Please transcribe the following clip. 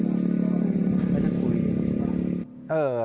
ไม่ได้คุย